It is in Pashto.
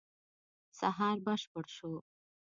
سهار بشپړ شو.